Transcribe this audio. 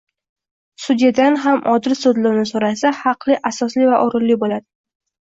Sudyadan ham odil sudlovni soʻrasa, haqli, asosli va oʻrinli boʻladi.